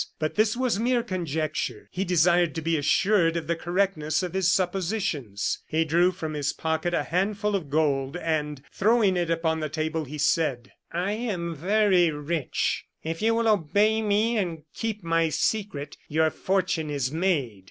But this was mere conjecture; he desired to be assured of the correctness of his suppositions. He drew from his pocket a handful of gold, and, throwing it upon the table, he said: "I am very rich; if you will obey me and keep my secret, your fortune is made."